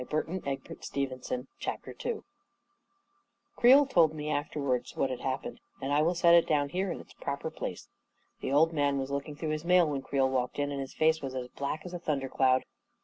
We're going to Egypt I " i ) CHAPTER II Creel told me afterwards what had happened, and I will set it down here in its proper place. The old man was looking through his mail when Creel walked in, and his face was as black as a thun der cloud.